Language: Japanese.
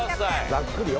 ざっくりよ。